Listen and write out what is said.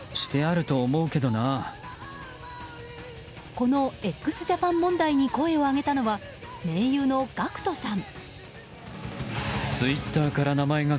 このＸＪＡＰＡＮ問題に声を上げたのは盟友のＧＡＣＫＴさん。